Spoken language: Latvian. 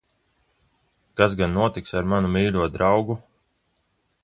Kas gan notiks ar manu mīļo draugu?